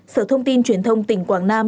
sở thông tin truyền thông tỉnh quảng nam